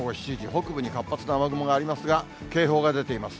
北部に活発な雨雲がありますが、警報が出ています。